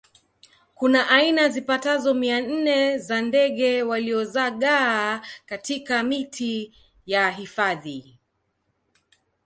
kuna aina zipatazo mia nne za ndege waliozagaa katika miti ya hifadhi